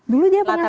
dulu dia pengasuhnya